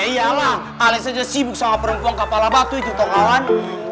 iya iya lah ales aja sibuk sama perempuan kepala batu itu tau gak wan